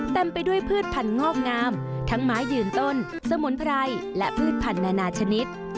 เต็มไปด้วยพืชพันธอกงามทั้งไม้ยืนต้นสมุนไพรและพืชพันธนานาชนิด